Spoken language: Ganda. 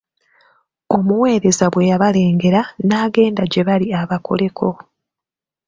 Omuweereza bwe yabalengera, n'agenda gye bali abakoleko.